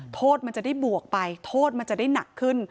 โทษมันจะได้บวกไปโทษมันจะได้หนักขึ้น